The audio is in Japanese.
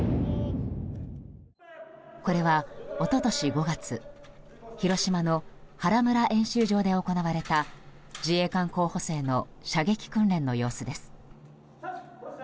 これは一昨年５月広島の原村演習場で行われた自衛官候補生の射撃訓練の様子です。